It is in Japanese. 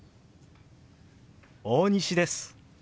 大西です。